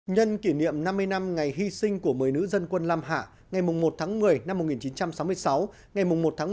nhân kỷ niệm năm mươi năm ngày hy sinh của một mươi nữ dân quân lam hạ ngày một một mươi một nghìn chín trăm sáu mươi sáu ngày một một mươi hai nghìn một mươi sáu